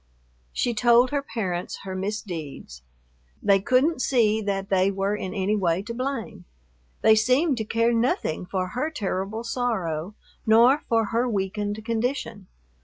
She told her parents her misdeeds. They couldn't see that they were in any way to blame. They seemed to care nothing for her terrible sorrow nor for her weakened condition.